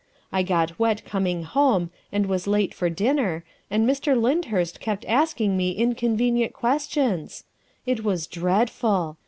I got wet coming home and was late for dinner, and Mr. Lynd hurst kept asking me inconvenient questions. It was dreadful.